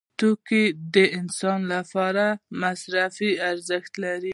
توکي د انسان لپاره مصرفي ارزښت لري.